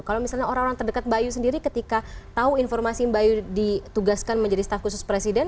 kalau misalnya orang orang terdekat bayu sendiri ketika tau informasi mbak ayu ditugaskan menjadi staff bio